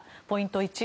ポイント